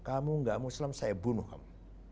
kamu gak mau islam saya bunuh kamu